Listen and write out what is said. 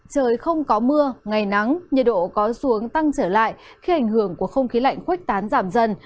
trời không có mưa ngày nắng nhiệt độ có xu hướng tăng trở lại khi hình hưởng của không khí lạnh khuếch tán giảm dần